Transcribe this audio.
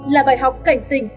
là bài học cảnh tình